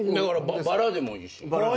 バラでもいいし。